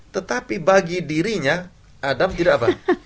tetapi bagi dirinya adam tidak apa